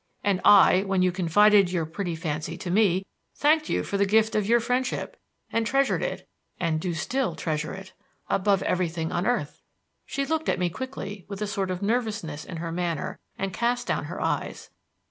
"And I, when you confided your pretty fancy to me, thanked you for the gift of your friendship, and treasured it, and do still treasure it, above everything on earth." She looked at me quickly with a sort of nervousness in her manner, and cast down her eyes.